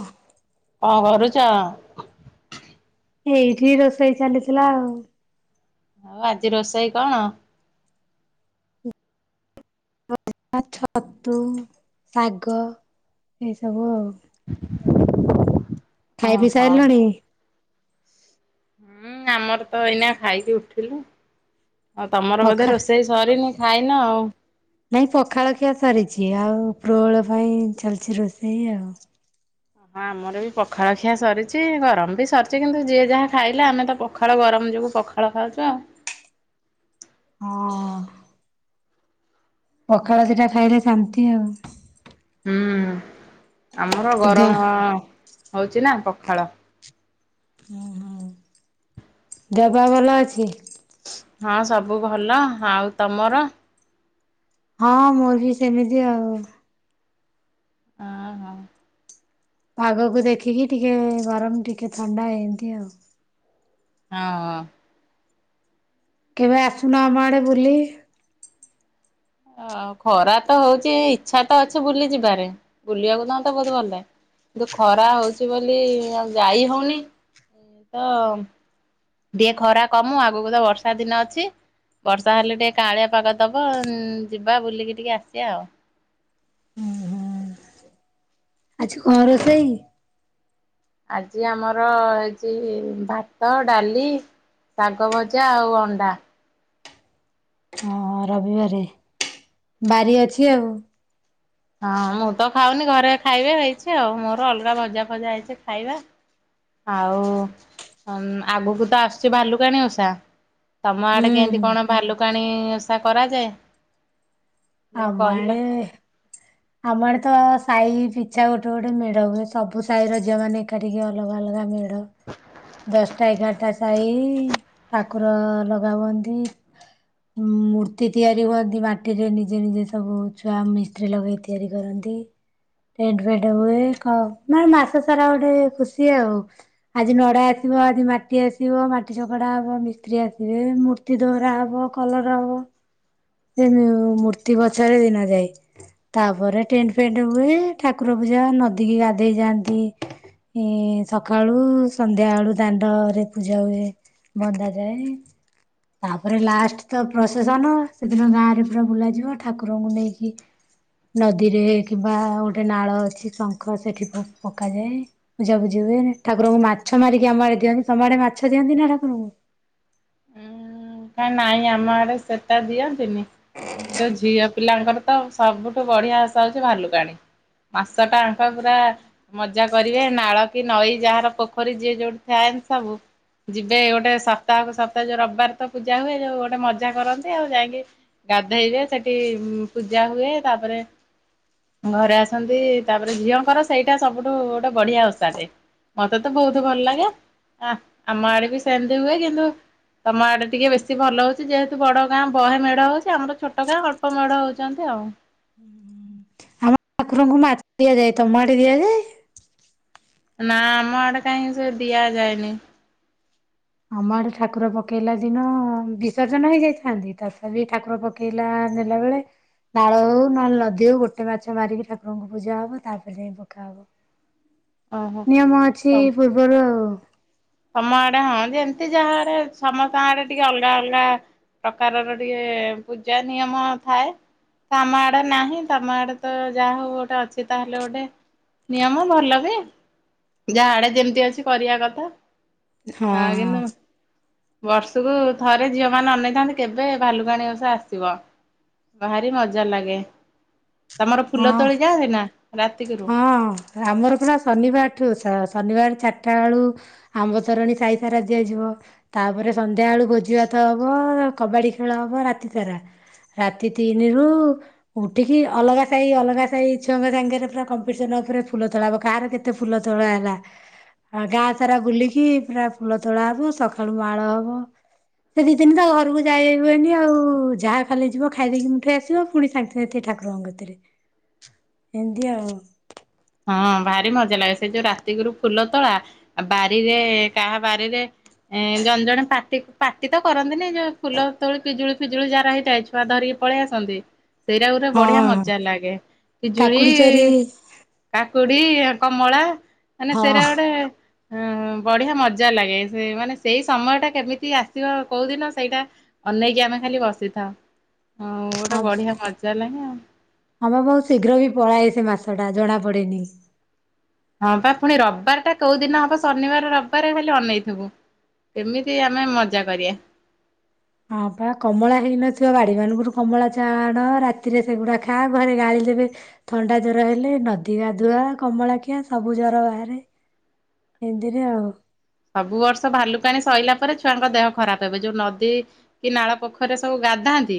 ଓୱ କଣ କରୁଛ? ଏଇଠି ରୋଷେଇ ଚାଲିଥିଲା ଆଉ। ଆଜି ରୋଷେଇ କଣ? ଛତୁ ଶାଗ ଏସବୁ ଆଉ ଜ ଖାଇ ପି ସାରିଲଣି? ହୁଁ ଆମର ତ ଏଇନା ଖାଇକି ଉଠିଲୁ। ଆଉ ତମର ବୋଧେ ପଖା ରୋଷେଇ ସରିନି ଖାଇନ ଆଉ। ଏଇ ପଖାଳଖିଆ ସରିଛି ଆଉ ପ୍ରୋଳ ପାଇଁ ଚାଲିଛି ରୋଷେଇ ଆଉ ହଁ ଆମର ବି ପଖାଳ ଖିଆ ସରିଛି ଗରମ ବି ସରିଛି କିନ୍ତୁ ଯିଏ ଯାହା ଖାଇଲେ ଆମେ ତ ପଖାଳ ଗରମ ଯୋଗୁଁ ପଖାଳ ଖାଉଛ? ହଁ। ପଖାଳ ଦିଟା ଖାଇଲେ ଶାନ୍ତି ଆଉ। ହୁଁ ଆମର ଦେହ ଗରମ ହଉଚି ନା ପଖାଳ ଦେହ ପା ଭଲ ଅଛି? ହଁ ସବୁ ଭଲ ଆଉ ତମର? ହଁ ମୋର ବି ସେମିତି ଆଉ। ହଁ ହଁ ପାଗକୁ ଦେଖିକି ଟିକେ ଗରମ ଟିକେ ଥଣ୍ଡା ଏମତି ଆଉ। ହଁ। କେବେ ଆସୁନ ଆମ ଆଡ଼େ ବୁଲି? ଓ ଖରା ତ ହଉଛି ଇଚ୍ଛା ତ ଅଛି ବୁଲି ଯିବାରେ ବୁଲିବାକୁ ତ ମତେ ବହୁତ ଭଲ ଲାଗେ। କିନ୍ତୁ ଖରା ହଉଛି ବୋଲି ଆଉ ଯାଇ ହଉନି ତ ଟିକେ ଖରା କମୁ ଆଗକୁ ତ ବର୍ଷା ଦିନ ଅଛି। ବର୍ଷା ହେଲେ ଟିକେ କାଆଁଳିଆ ପାଗ ଦବ ଯିବା ବୁଲିକି ଟିକେ ଆସିବା ଆଉ। ଆଜି କଣ ରୋଷେଇ? ଆଜି ଆମର ହେଇଛି ଭାତ ଡାଲି ଶାଗ ଭଜା ଆଉ ଅଣ୍ଡା। ହଁ ରବିବାରେ ବାରି ଅଛି ଆଉ। ହଁ ମୁଁ ତ ଖାଉନି ଘରେ ଖାଇବେ ହେଇଛି ଆଉ ମୋର ଅଲଗା ଭଜା ଫଜା ହେଇଛି ଖାଇବା। ଆଉ ଆଗକୁ ତ ଆସୁଛି ଭାଲୁକାଣୀ ଓସା ତମ ଆଡେ କେମିତି ହୁଁ କଣ ଭାଲୁକାଣି ଓସା କରାଯାଏ? ଦେଇ ଆମ କହିଲେ। ଆଡ଼େ ଆମ ଆଡ଼େ ତ ସାହି ପିଛା ଗୋଟେ ଗୋଟେ ମେଢ଼ ହୁଏ ସବୁ ସାହି ର ଝିଅ ମାନ ଏକାଠିକି ଅଲଗା ଅଲଗା ମେଳ ହ ଦଶଟା ଏଗାରଟା ସହି ଠାକୁର ଲଗାବନ୍ତି। ମୂର୍ତ୍ତି ତିଆରି ହୁଅନ୍ତି ମାଟିରେ ନିଜେ ନିଜେ ସବୁ ଛୁଆ ମିସ୍ତ୍ରୀ ଲଗେଇ ତିଆରି କରନ୍ତି। ଟେଣ୍ଟ ଫେଣ୍ଟ ହୁଏ କଣ ମାନେ ମାସ ସାରା ଗୋଟେ ଖୁସି ଆଉ। ଆଜି ନଡା ଆସିବ ଆଜି ମାଟି ଆସିବ ମାଟି ଚକଡା ହବ ମିସ୍ତ୍ରୀ ଆସିବେ ମୂ ମୂର୍ତି ଦରା ହବ କଲର ହବ ସେ ମୂର୍ତ୍ତି ପଛରେ ଦିନ ଯାଏ ତାପରେ ଟେଣ୍ଟ ଫେଣ୍ଟ ହୁଏ ଠାକୁର ପୂଜା ନଦୀ କିି ଗାଧେଇ ଯାଆନ୍ତି। ସକାଳୁ ସନ୍ଧ୍ୟାବେଳୁ ଦାଣ୍ଡରେ ପୂଜା ହୁଏ। ବନ୍ଦା ଯାଏ। ତାପରେ ଲାଷ୍ଟ ତ ପ୍ରଶେସନ ସେଦିନ ଗାଁ ରେ ପୁରା ବୁଲାଯିବ ଠାକୁରଙ୍କୁ ନେଇକି। ନଦୀରେ କିମ୍ବା ଗୋଟେ ନାଳ ଅଛି ଶଙ୍ଖ ସେଠି ପକାଯାଏ। ପୂଜା ପୂଜି ହୁଏ ଠାକୁଙ୍କୁ ମାଛ ମାରିକି ଆମ ଆଡେ ଦିଅନ୍ତି ତମ ଆଡେ ମାଛ ଦିଅନ୍ତି ନା ଠାକୁରଙ୍କୁ। କାଇ ନାଇଁ ଆମ ଆଡେ ସେଟା ଦିଅନ୍ତିନି କିନ୍ତୁ ଝିଅ ପିଲାଙ୍କର ତ ସବୁଠୁ ବଢିଆ ଆଷା ହଉଛି ଭାଲୁକାଣିୀ ମାସ ଆଙ୍କ ପୁରା ମଜା କରିବେ ନାଳ କି ନଈ ଯାହାର ପୋଖରୀ ଯିଏ ଯୋଉଠି ଥାଆନ୍ତି ସବୁ ଯିବେ ଗୋଟେ ସପ୍ତାହକୁ ସପ୍ତାହ ଯୋଉ ରବିବାର ତ ପୂଜା ହୁଏ ଯୋଉ ଗୋଟେ ମଜା କରନ୍ତି ଆଉ ଯାଇକି ଗାଧେଇବେ ସେଠି ପୂଜା ହୁଏ ତାପରେ ଘରେ ଆସନ୍ତି ତାପରେ ଝିଅଙ୍କର ସେଇଟା ସବୁଠୁ ଗୋଟେ ବଢିଆ ଓଷା ଟେ। ମତେ ତ ବହୁତ ଭଲ ଲାଗେ ଆମ ଆଡେ ବି ସେମିତି ହୁଏ କିନ୍ତୁ ତମ ଆଡେ ଟିକେ ବେଶୀ ଭଲ ହଉଛି ଯେହେତୁ ବଡ଼ ଗାଁ ବହେ ମେଢ ହଉଛି ଆମର ଛୋଟ ଗାଁ ଅଳ୍ପ ମେଢ ହଉଛନ୍ତି ଆଉ। ଆମ ଠାକୁରଙ୍କୁ ମା ଦିଆଯାଏ ତମ ଆଡେ ଦିଆଯାଏ? ନା ଆମ ଆଡେ କାହିଁ ସେ ଦିଆଯାଏନି। ଆମ ଆଡେ ଠାକୁର ପକେଇଲା ଦିନ ବିସର୍ଜନ ହେଇଯାଇଥାନ୍ତି ତଥାବି ଠାକୁର ପକେଇ ପକେଇଲା ନେଲା ବେଳେ ନାଳ ହଉ ନହେଲେ ନଦୀ ହଉ ଗୋଟେ ମାଛ ମାରିକି ଠାରଙ୍କୁ ପୂଜା ହବ ତାପରେ ଯାଇ ପକା ହବ। ଓହୋ। ନିୟମ ଅଛି ପୂର୍ବରୁ ଆଉ। ତମ ଆଡେ ହଁ ଯେମିତି ଯାହା ଆଡେ ସମସ୍ତଙ୍କ ଆଡେ ଟିକେ ଅଲଗା ଅଲଗା। ପ୍ରକାରର ଟିକେ ପୂଜା ନିୟମ ଥାଏ। ତ ଆମ ଆଡେ ନାହିଁ ତମ ଆଡେ ତ ଯାହା ହଉ ଗୋଟେ ଅଛି ତାହେଲେ ଗୋଟେ ନିୟମ ଭଲ ବି ଯାହା ଆଡେ ଯେମତି ଅଛି କରିବା କଥା। ଆ କିନ୍ତୁ ହଁ। ବର୍ଷକୁ ଥରେ ଝିଅ ମାନେ ଅନେଇଥାନ୍ତି କେବେ ଭାଲୁକାଣୀ ଓସା ଆସିବ। ଭାରି ମଜା ଲାଗେ ତମର ଫୁଲ ହଁ ତୋଳି ଯାଆନ୍ତି ନା ରାତିକିରୁ? ହଁ ଆମର ପୁରା ଶନିବାରଠୁ ଶନିବାର ଚାରିଟା ବେଳୁ ଆମ୍ବ ତରଣୀ ସାହି ସାରା ଦିଆଯିବ। ତାପରେ ସନ୍ଧ୍ୟାବେଳୁ ଭୋଜିଭାତ ହବ କବାଡି ଖେଳ ହବ ରାତି ସାରା। ରାତି ତିନିରୁ ଉଠିକି ଅଲଗା ସାହି ଅଲଗା ସାହି ଛୁଆଙ୍କ ସାଙ୍ଗରେ ପୁରା କମ୍ପିଟିସନ ଉପରେ ଫୁଲ ତୋଳା କାହାର କେତେ ଫୁଲ ତୋଳା ହେଲା। ଆଉ ଗାଁ ସାରା ବୁଲିକି ପୁରା ଫୁଲ ତୋଳା ହବ ସକାଳୁ ମାଳ ହବ। ସେ ଦି ଦିନ ତ ଘରକୁ ଯାଇହୁଏନି ଆଉ ଯାହା ଖାଲି ଯିବ ଖାଇଦେଇକି ମୁଠେଇ ଆସିବ ପୁଣି ସାଙ୍ଗ ସେତି ଠାକୁରଙ୍କ କତିରେ ଏମତି ଆଉ। ହଁ ଭାରି ମଜା ଲାଗେ ସେ ଯୋଉ ରାତିକିରୁ ଫୁଲ ତୋଳା ବାରିରେ କାହା ବାରିରେ ଏଁ ଜଣେ ଜଣେ ପାଟି ପାଟି ତ କରନ୍ତିନି ଯୋଉ ଫୁଲ ତୋଳି ପିଜୁଳି ଫିଜୁଳି ଯାହାର ହେଇଥାଏ ଛୁଆ ଧରିକି ପଳେଇ ଆସନ୍ତି ସେଇଟା ଗୋରେ ବଢିଆ ହଁ ମଜା ଲାଗେ ପିଜୁଳି କାକୁଡି ଚୋରି କାକୁଡି କମଳା ମାନେ ହଁ ସେଇରା ଗୋଟେ ହ ବଢିଆ ମଜା ଲାଗେ ସେ ମାନେ ସେଇ ସମୟ ଟା କେମିତି ଆସିବ କୋଉଦିନ ସେଇଟା ଅନେଇକି ଆମେ ଖାଲି ବସିଥାଉ ହ ଗୋଟେ ବଢିଆ ମଜା ଲାଗେ ଆଉ। ହମ ବହୁତ ଶୀଘ୍ର ବି ପଳାଏ ସେ ମାସ ଟା ଜଣା ବି ପଡେନି। ହଁ ବା ପୁଣି ରବିବାର ଟା କୋଉ ଦିନ ହବ ଶନିବାର ରବିବାର ଖାଲି ଅନେଇଥିବୁ। କେମିତି ଆମେ ମଜା କରିବା। ହଁ ପା କମଳା ହେଇନଥିବ ବାଡି ମାନଙ୍କରୁ କମଳା ଚାଣ ରାତିରେ ସେଗୁଡା ଖା ଘରେ ଗାଳି ଦେବେ। ଥଣ୍ଡା ଜର ହେଲେ ନଦୀ ଗାଧୁଆ କମଳା ଖିଆ ସବୁ ଜର ବାହାରେ। ଏନ୍ତିରେ ଆଉ। ସବୁ ବର୍ଷ ଭାଲୁକାଣି ସରିଲା ପରେ ଛୁଆଙ୍କ ଦେହ ଖରାପ ହେବ ଯୋଉ ନଦୀ ଦି ନାଳ ପୋଖରିରେ ସବୁ ଗାଧାନ୍ତି।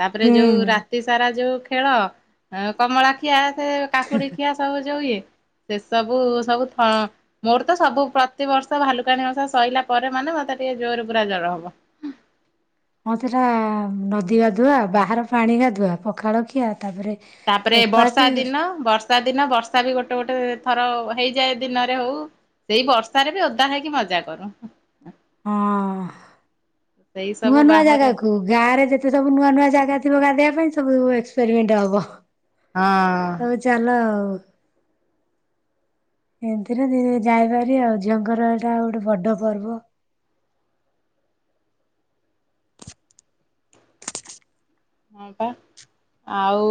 ତାପରେ ହୁଁ ଯୋଉ ରାତି ସାରା ଯୋଉ ଖେଳ କମଳା ଖିଆ ସେ କାକୁଡି ଖିଆ ସବୁ ଯୋଉ ଇଏ ସେ ସବୁ ସବୁଥ ମୋରତ ସବୁ ପ୍ରତିବର୍ଷ ସ ଭାଲୁକାଣି ଓସା ସରିଲା ପରେ ମାନେ ମତେ ଟିକେ ଜୋରରେ ପୁରା ଜର ହବ। ମତେଟା ନଦୀ ଗାଧୁଆ ବାହାର ପାଣି ଗାଧୁଆ ପଖାଳଖିଆ ତାପରେ ତାପରେ ଓପାସେ ବର୍ଷା ଦିନ ବର୍ଷା ବର୍ଷା ଦିନ ବର୍ଷା ବି ଗୋଟେ ଗୋଟେ ଥର ହେଇଯାଏ ଦିନରେ ହଉ ସେଇ ବର୍ଷାରେ ବି ଓଦା ହେଇକି ମଜା କରୁ। ହଁ। ସେଇ ନୂଆ ସବୁ ନୂଆ ବାହାରେ ଜାଗାକୁ ଗାଁ ରେ ଯେତେ ସବୁ ନୂଆ ନୂଆ ଜାଗା ଥିବ ଗାଧେଇବା ପାଇଁ ସବୁ ଏକ୍ସପେରିମେଣ୍ଟ ହବ। ହଁ। ହଉ ଚାଲ ଆଉ। ଏମତିରେ ଯାଏ ଭାରି ଆଉ ଝିଅଙ୍କର ଏଇଟା ଗୋଟେ ବଡ ପର୍ବ। ହଁ ପା ଆଉ।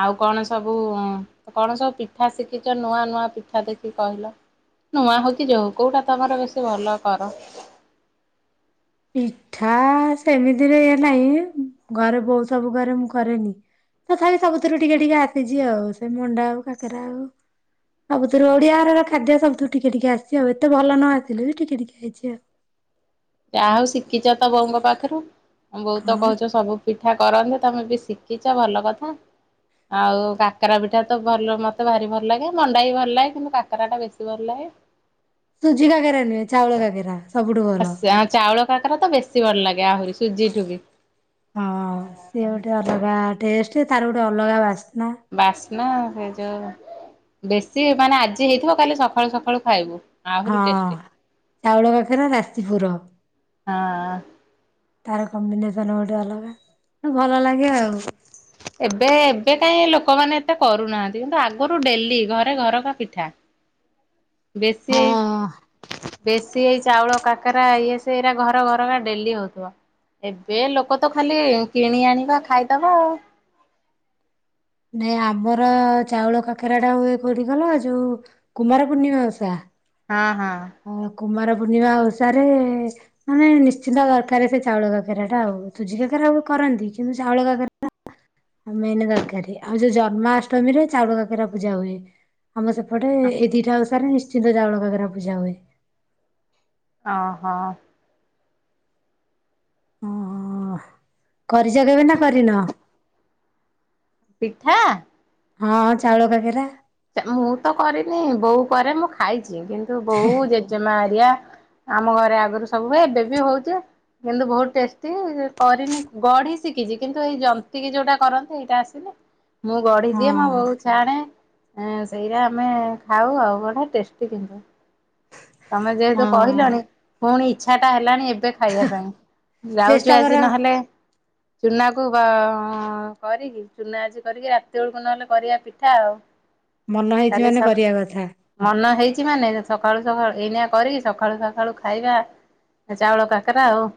ଆଉ କଣ ସବୁ କଣ ସବୁ ପିଠା ଶିଖିଛ ନୂଆ ନୂଆ ପିଠା ଦେଖି କହିଲ। ନୂଆ ହଉ କି ଯୋଉ କୋଉଟା ତମର ବେଶୀ ଭଲ କର। ପିଠା ସେମିତିରେ ଇ ନାହିଁ ଘରେ ବୋଉ ସବୁ ଘରେ ମୁଁ କରେନି। ତଥାପି ସବୁଥିରୁ ଟିକେ ଟିକେ ଆସିଛି ଆଉ ସେ ମଣ୍ଡା ହଉ କାକେରା ହଉ। ଆଉ ତୋର ଓଡିଆ ଘର ଖାଦ୍ୟ ସବୁଥିରୁ ଟିକେ ଟିକେ ଆସିଛି ଆଉ ଏତେ ଭଲ ନ ଆସିଲେ ବି ଟିକେ ଟିକେ ହେଇଛି ଆଉ। ଯାହା ହଉ ଶିଖିଛ ତ ବୋଉଙ୍କ ପାଖରୁ ମୋ ବୋଉ ତ ହଁ କହୁଛ ସବୁ ପିଠା କରନ୍ତି ତମେ ବି ଶିଖିଛ ଭଲ କଥା। ଆଉ କାକରା ପିଠା ତ ଭଲ ମତେ ଭାରି ଭଲ ଲାଗେ ମଣ୍ଡା ବି ଭଲ ଲାଗେ କିନ୍ତୁ କାକରା ଟା ବେଶୀ ଭଲ ଲାଗେ। ସୁଜି କାଗେରା ନୁହେ ଚାଉଳ କାଗେରା। ଆ ଚାଉଳ କାକରେ ତ ବେଶୀ ଭଲ ଲାଗେ ଆହୁରି ସୁଜିଠୁ ବି। ହଁ ସିଏ ଗୋଟେ ଅଲଗା ଟେଷ୍ଟ ତାର ଗୋଟେ ଅଲଗା ବାସ୍ନା। ବାସ୍ନା ସେ ଯୋଉ ବେଶୀ ମାନେ ଆଜି ହେଇଥିବ କାଲି ସକାଳୁ ସକାଳୁ ଖାଇବୁ। ହଁ ଆହୁରି ଟେଷ୍ଟି ଚାଉଳ କାକରା ରାଶିପୁର। ହଁ। ତାର କମ୍ବିନେସନ ଗୋଟେ ଅଲଗା ମାନେ ଭଲ ଲାଗେ ଆଉ। ଏବେ ଏବେ କାହିଁ ଲୋକମାନେ ଏତେ କରୁନାହାନ୍ତି କିନ୍ତୁ ଆଗରୁ ଡେଲି ଘରେ ଘରକା ପିଠା। ବେଶୀ। ହଁ ବେଶୀ ଏଇ ଚାଉଳ କାକରା ଇଏ ସେ ଏଇଟା ଘର ଘର ଡେଲି ହଉଥିବ। ଏବେ ଲୋକ ତ ଖାଲି କିଣି ଆଣିବା ଖାଇବାର। ନାଇ ଆମର ଚାଉଳ କାଖେରା ଟା ହୁଏ କୋଉଠି ଗଲ ଯୋଉ କୁମାର ପୂର୍ଣ୍ଣିମା ଓଷା। ହଁ ହଁ। ଅ କୁମାର ପୂର୍ଣ୍ଣିମା ଅସାରେ। ମାନେ ନିଶ୍ଚିନ୍ତ ଦରକାର ସେ ଚାଉଳ କକେରା ଟା ଆଉ ତୁଜି କାକେରା କରନ୍ତି କିନ୍ତୁ ଚାଉଳ କାକେରା ଆ ମେନ୍ ଦରକାର ଆଉ ଯୋଉ ଜନ୍ମାଷ୍ଟମୀ ରେ ଚାଉଳ କାକିରା ପୂଜା ହୁଏ। ଆମ ସେପଟେ ଏଇ ଦିଟା ଅନୁସାରେ ନିଶ୍ଚିନ୍ତ ଜାଉଳ କାଗରା ପୂଜା ହୁଏ। ଓ ହୋ। ଓ କରିଛ କେବେ ନା କରିନ। ପିଠା ହଁ ଚାଉଳ କାକେରା। ଚା ମୁଁ ତ କରିନି ବୋଉ କରେ ମୁଁ ଖାଇଛି କିନ୍ତୁ ବୋଉ ଜେଜେମା ଏରିଆ ଆମ ଘରେ ଆଗରୁ ସବୁ ଏବେ ବି ହଉଛି କିନ୍ତୁ ବହୁତ୍ ଟେଷ୍ଟି କରିନି ଗଢି ଶିକିଛି କିନ୍ତୁ ଏଇ ଜନ୍ତି କି ଯୋଉଟା କରନ୍ତି ଏଇଟା ଆସ ମୁଁ ଗଢି ଦିଏ ମୋ ହଁ ବୋଉ ଛାଣେ। ଏ ସେଇରା ଆମେ ଖାଉ ଆଉ ବଢିଆ ଟେଷ୍ଟି କିନ୍ତୁ। ତମେ ଯେହେତୁ ହଁ କହିଲଣି ପୁଣି ଇଚ୍ଛାଟା ହେଲାଣି ଏବେ କ ଖାଇବା ପାଇଁ ଯାଉଚୁ ଚେଷ୍ଟା କର ଆଜି ନହେଲେ ଚୁନା କୁ ବ କରିକି ଚୁନା ଆଜି କରିକି ରାତି ବେଳକୁ ନହେଲେ କରିବା ପିଠା ଆଉ। [inaudible] ମନ ହେଇଚି କାଲି ମାନେ ସକା କରିବା କଥା। ମନ ହେଇଚି ମାନେ ସକାଳୁ ସଖାଳୁ ଏଇନା କରିକି ସଖାଳୁ ସଖାଳୁ ଖାଇବା ଚାଉଳ କାକେରା ଆଉ।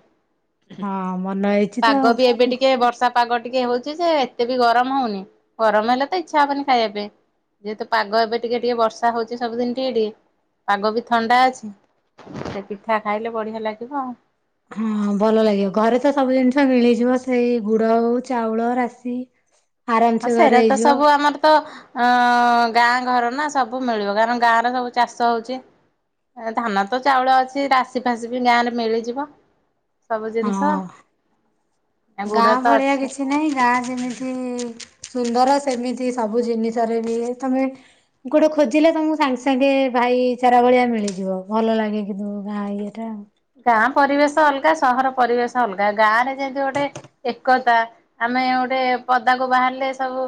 ଉଁ ହୁଁ ହଁ ମନ ହେଇଛି ପାଗ ତ ବି ଏବେ ଟିକେ ବର୍ଷା ପ ପାଗ ଟିକେ ହଉଛି ଯେ ଏତେ ବି ଗରମ ହଉନି ଗରମ ହେଲେ ତ ଇଚ୍ଛା ହବନି ଖାଇବା ପାଇଁ ଯେହେତୁ ପାଗ ଏବେ ଟିକେ ଟିକେ ବର୍ଷା ହଉଛି ସବୁଦିନ ଟିକେ ଟିକେ ପାଗ ବି ଥଣ୍ଡା ଅଛି ସେ ପିଠା ଖାଇଲେ ବଢିଆ ଲାଗିବ ଆଉ ହଁ ଭଲ ଲାଗିବ ଘରେ ତ ସବୁ ଜିନିଷ ମିଳିଯିବ ସେଇ ଗୁଡ ହଉ ଚାଉଳ ରାଶି ହଁ ଆରାମସେ ସେରା ଘରେ ତ ହେଇଯିବ ସବୁ ଆମର ତ ଅଁ ଗାଁ ଘର ନା ସବୁ ମିଳିବ କାରଣ ଗାଁରେ ସବୁ ଚାଷ ହଉଛି ଧାନ ତ ଚାଉଳ ଅଛି ରାଶୀ ଫାଶୀ ବି ଗାଁ ରେ ମିଳିଯିବ ସବୁ ଜିନିଷ ହଁ ଗାଁ ଗୁଡ ତ ଭଳିଆ ଅଛି କିଛି ନାହିଁ ଗାଁ ଯେମିତି ସୁନ୍ଦର ସେମିତି ସବୁ ଜିନିଷରେ ବି ତମେ ଗୋଟେ ଖୋଜିଲେ ତମକୁ ସାଙ୍ଗେ ସାଙ୍ଗେ ଭାଇ ଚାରା ଭଳିଆ ମିଳିଯିବ ଭଲ ଲାଗେ କିନ୍ତୁ ଗାଁ ଏଇଟା ଗାଁ ପରିବେଶ ଅଲଗା ସହର ପରିବେଶ ଅଲଗା ଗାଁ ରେ ଯେମିତି ଗୋଟେ ଏକତା ଆମେ ଗୋଟେ ପଦାକୁ ବାହାରିଲେ ସବୁ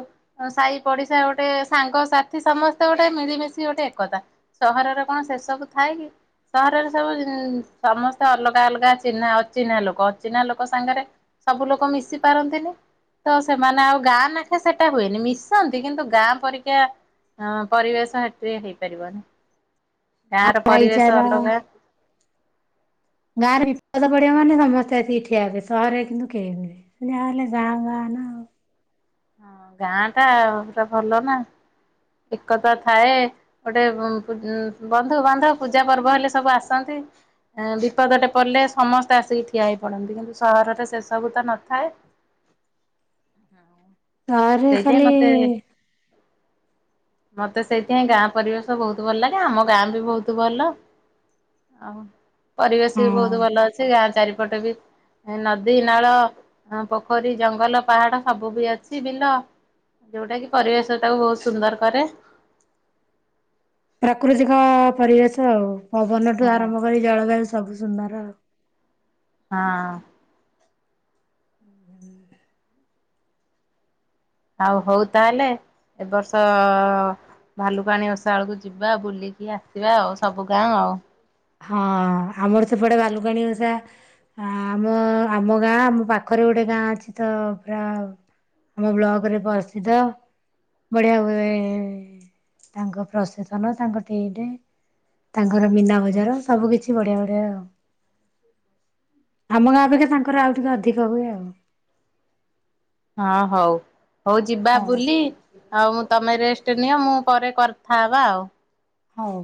ସାହି ପଡିଶା ଗୋଟେ ସାଙ୍ଗସାଥି ସମସ୍ତେ ଗୋଟେ ମିଳିମିଶି ଗୋଟେ ଏକତା ସହରରେ କଣ ସେ ସବୁ ଥାଏ କି ସହରରେ ସବୁ ଜି ସମସ୍ତେ ଅଲଗା ଅଲଗା ଚିହ୍ନା ଅଚିହ୍ନା ଲୋକ ଅଚିହ୍ନା ଲୋକ ସାଙ୍ଗରେ ସବୁ ଲୋକ ମିଶି ପାରନ୍ତିନି। ତ ସେମାନେ ଆଉ ଗାଁ ନାଖେ ସେଟା ହୁଏନି ମିଶନ୍ତି କିନ୍ତୁ ଗାଁ ପରିକା ହଁ ପରିବେଶ ସେଥିି ହେଇପାରିବନି ଗାଁ ର ପରିବେଶ ଭାଇଚାରା ଅଲଗା ଗାଁରେ ବିପଦ ପଡିବ ମାନେ ସମସ୍ତେ ଆସିକି ଠିଆବେ ସହରରେ କିନ୍ତୁ କେହି ନୁହଁ। ଯାହଲେ ଗାଁ ଗାଁ ନା ହଁ ଗାଁ ଟା ପୁରା ଭଲ ନା ଏକଥା ଥାଏ। ଗୋଟେ ଉ ବନ୍ଧୁ ବାନ୍ଧବ ପୂଜା ପର୍ବ ହେଲେ ସବୁ ଆସନ୍ତି। ବିପଦଟେ ପଡ଼ିଲେ ସମସ୍ତେ ଆସିକି ଠିଆ ହେଇ ପଡ଼ନ୍ତି କିନ୍ତୁ ସହରରେ ସେସବୁ ତ ନଥାଏ ତରେ ସେଇଥିପାଇଁ ଖାଲି ମତେ ମତେ ସେଇଥିପାଇଁ ଗାଁ ପରିବେଶ ବହୁତ ଭଲ ଲାଗେ ଆମ ଗାଁ ବି ବହୁତ ଭଲ। ଆଉ ପରିବେଶ ବି ହଁ ବହୁତ ଭଲ ଅଛି ଗାଁ ଚାରିପଟ ବି ନଦୀ ନାଳ ପୋଖରୀ ଜଙ୍ଗଲ ପାହାଡ ସବୁ ବି ଅଛି ବିଲ। ଯୋଉଟା କି ପରିବେଶଟାକୁ ବହୁତ ସୁନ୍ଦର କରେ। ପ୍ରାକୃତିକ ପରିବେଶ ଆଉ ପବନଠୁ ହଁ ଆରମ୍ଭ କରି ଜଳବାୟୁ ସବୁ ସୁନ୍ଦର ଆଉ। ହଁ ଆଉ ହଉ ତାହେଲେ ଏବର୍ଷ ଭାଲୁକାଣି ଓଷା ବେଳକୁ ଯିବା ବୁଲିକି ଆସିବା ଆଉ ସବୁ ଗାଁ ଆଉ। ହଁ ଆମର ସେପଟେ ଭାଲୁକାଣୀ ଓଷା ଆ ଆମ ଆମ ଗାଁ ଆମ ପାଖରେ ଗୋଟେ ଗାଁ ଅଛି ତ ପୁରା ଆମ ବ୍ଲକରେ ପ୍ରସିଦ୍ଧ ବଢ଼ିଆ ହୁଏ। ତାଙ୍କ ପ୍ରସେସନ ତାଙ୍କ ଟେଣ୍ଟ ତାଙ୍କର ମୀନାବଜା ର ସବୁ କିଛି ବଢିଆ ବଢିଆ ଆଉ। ଆମ ଗାଁ ଅପେକ୍ଷା ତାଙ୍କର ଆଉ ଟିକେ ଅଧିକ ହୁଏ ଆଉ। ହଁ ହଉ ହଉ ଯିବା ବୁଲି। ଆଉ ମୁଁ ତମେ ରେଷ୍ଟ ନିଅ ମୁଁ ପରେ କଥା ହବା ଆଉ। ହଉ।